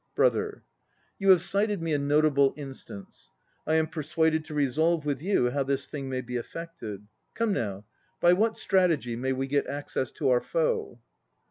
BROTHER. You have cited me a notable instance. I am persuaded to resolve with you how this thing may be effected. Come now, by what strategy may we get access to our foe?